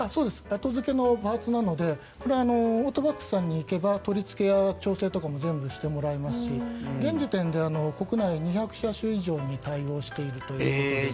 後付けのパーツなのでオートバックスさんに行けば取りつけや調整も全部してもらえますし現時点で国内２００車種以上に対応しているということです。